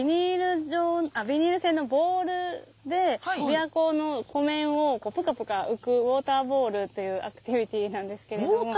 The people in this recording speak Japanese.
ビニール製のボールで琵琶湖の湖面をぷかぷか浮くウォーターボールというアクティビティーなんですけど。